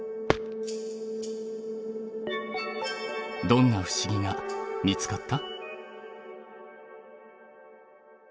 どんな不思議が見つかった？